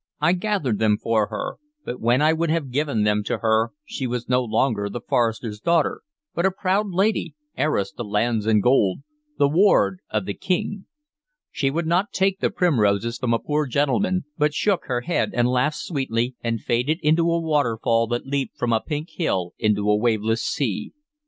I gathered them for her, but when I would have given them to her she was no longer the forester's daughter, but a proud lady, heiress to lands and gold, the ward of the King. She would not take the primroses from a poor gentleman, but shook her head and laughed sweetly, and faded into a waterfall that leaped from a pink hill into a waveless sea.